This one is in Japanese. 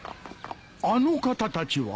あの方たちは？